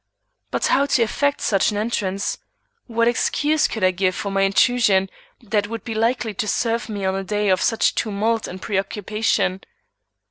But how to effect such an entrance? What excuse could I give for my intrusion that would be likely to serve me on a day of such tumult and preoccupation?